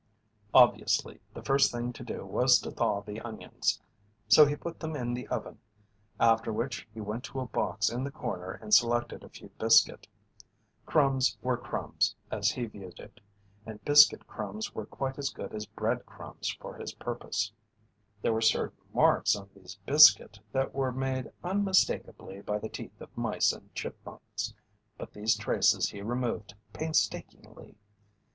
Obviously the first thing to do was to thaw the onions, so he put them in the oven, after which he went to a box in the corner and selected a few biscuit. Crumbs were crumbs, as he viewed it, and biscuit crumbs were quite as good as bread crumbs for his purpose. There were certain marks on these biscuit that were made unmistakably by the teeth of mice and chipmunks, but these traces he removed painstakingly.